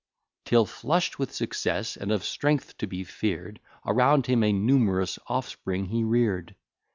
'Till flush'd with success, and of strength to be fear'd, Around him a numerous offspring he rear'd.